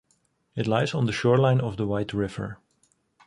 It lies on the shoreline of the White River.